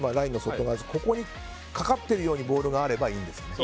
ここにかかっているようにボールがあればいいんです。